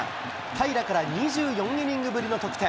平良から２４イニングぶりの得点。